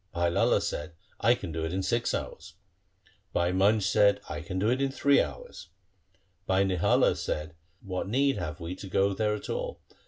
Bhai Lala said, ' I can do it in six hours.' Bhai Manj said, ' I can do it in three hours.' Bhai Nihala said, ' What need have we to go there at all